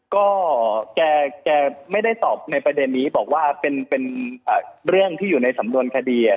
ก็แกไม่ได้ตอบในประเด็นนี้บอกว่าเป็นเรื่องที่อยู่ในสำนวนคดี